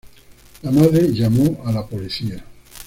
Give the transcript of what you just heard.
La madre llamó a la policía.